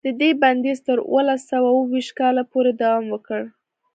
د دې بندیز تر اوولس سوه اوه ویشت کاله پورې دوام وکړ.